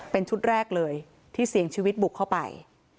เป็นชุดแรกเลยที่เสี่ยงชีวิตบุกเข้าไป